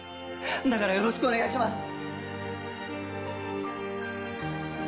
だからよろしくお願いします。